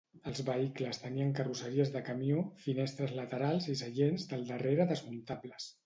Els vehicles tenien carrosseries de camió, finestres laterals i seients del darrere desmuntables.